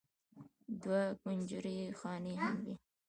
دوه کنجرې خانې هم وې.